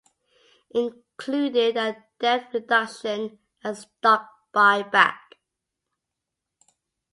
Included are debt reduction and stock buy back.